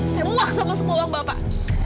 saya muak sama semua orang bapak